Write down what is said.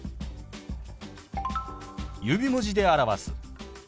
指文字で表す。